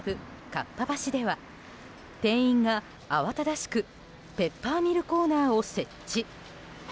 かっぱ橋では店員が慌ただしくペッパーミルコーナーを設置。